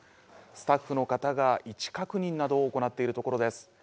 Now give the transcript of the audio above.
スタッフの方が位置確認などを行っているところです。